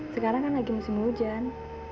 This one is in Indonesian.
sekarang kan lagi musim hujan